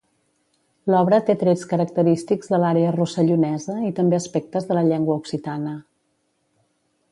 L'obra té trets característics de l'àrea rossellonesa i també aspectes de la llengua occitana.